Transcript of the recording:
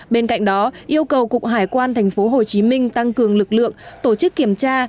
bên cạnh đó yêu cầu cục hải quan tp hcm tăng cường lực lượng tổ chức kiểm tra